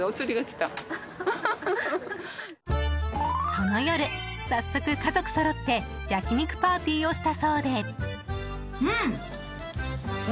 その夜、早速、家族そろって焼き肉パーティーをしたそうで。